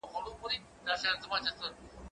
ايا ته لوښي وچوې